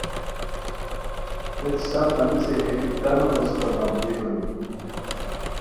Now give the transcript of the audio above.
ہیت سف ہنیسے ہے کپتانو ہوستہ بندی ہونی